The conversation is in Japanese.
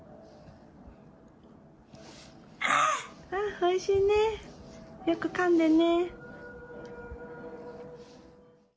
おいしいね、よくかんでね。